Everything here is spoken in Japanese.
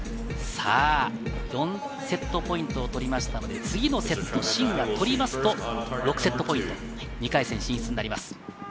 ４セットポイントを取りましたので、次のセット、シンが取りますと６セットポイント、２回戦進出になります。